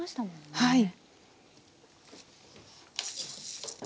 はい。